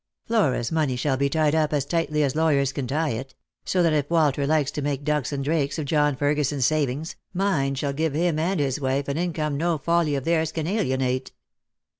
Flora's money shall be tied up as tightly as lawyers can tie it ; so that if Walter likes to make ducks and drakes of John Ferguson's savings, mine shall give him and his wife an income no folly of theirs can alienate.